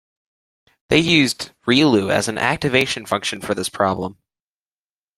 They used relu as an activation function for this problem.